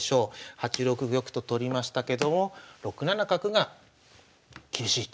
８六玉と取りましたけども６七角が厳しい一着。